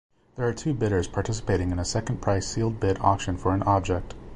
There are two bidders participating in a second-price sealed-bid auction for an object.